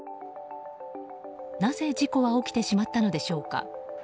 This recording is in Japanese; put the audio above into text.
なぜ事故は起きてしまったのでしょうか。